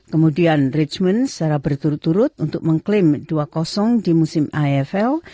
kemudian richment secara berturut turut untuk mengklaim dua di musim iff